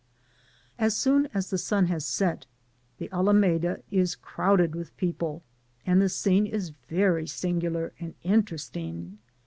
As soon as the sun has set, the Alameda is crowded with people, and the scene is very singular and interesting.